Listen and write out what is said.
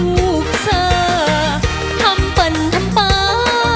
ลูกเซอร์ทำเปิ่นทำเป๋า